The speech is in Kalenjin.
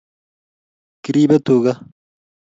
kiribe tuga